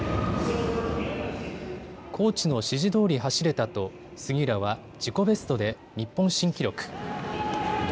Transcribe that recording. コーチの指示どおり走れたと杉浦は自己ベストで日本新記録。